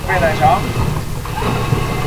太田川是流经广岛县的一级河川之主流。